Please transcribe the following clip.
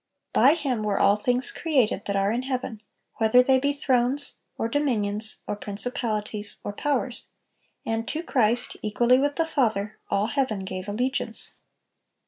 "By Him were all things created, that are in heaven, ... whether they be thrones, or dominions, or principalities, or powers;"(879) and to Christ, equally with the Father, all heaven gave allegiance.